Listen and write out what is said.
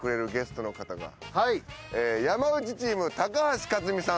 山内チーム高橋克実さん。